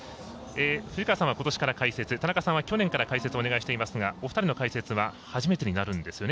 藤川さんは、ことしから解説田中さんは去年から解説をお願いしていますがお二人一緒の解説は初めてになるんですよね。